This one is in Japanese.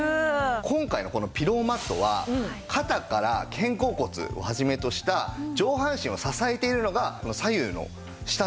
今回のこのピローマットは肩から肩甲骨を始めとした上半身を支えているのがこの左右の下の部分なんですね。